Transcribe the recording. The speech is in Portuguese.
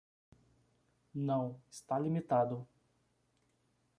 Não, está limitado.